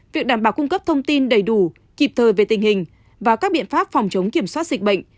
việc đảm bảo cung cấp thông tin đầy đủ kịp thời về tình hình và các biện pháp phòng chống kiểm soát dịch bệnh